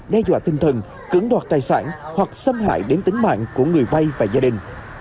đe dọa tinh thần cứng đoạt tài sản hoặc xâm hại đến tính mạng của người vay và gia đình